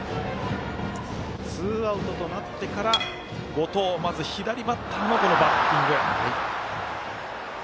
ツーアウトとなってから後藤、左バッターのバッティング。